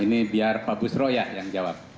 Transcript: ini biar pak busro ya yang jawab